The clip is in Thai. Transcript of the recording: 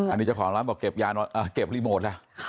อันนี้เจ้าของบ้านบอกเก็บรีโมทแล้ว